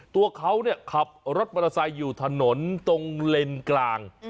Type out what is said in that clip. ตัวเขาขับรถมอเตอร์ไซค์อยู่ถนนตรงเลนกลาง